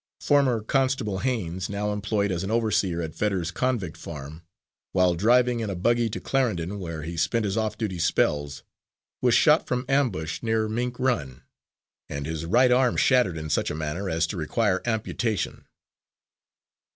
Former constable Haines, now employed as an overseer at Fetters's convict farm, while driving in a buggy to Clarendon, where he spent his off duty spells, was shot from ambush near Mink Run, and his right arm shattered in such a manner as to require amputation.